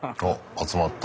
集まった。